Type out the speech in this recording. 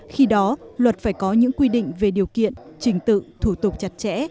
khi đó luật phải có những quy định về điều kiện trình tự thủ tục chặt chẽ